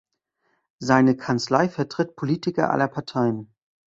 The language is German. Seine Kanzlei vertritt Politiker aller Parteien.